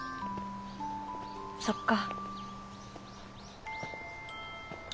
そっか。